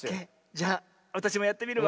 じゃあわたしもやってみるわ。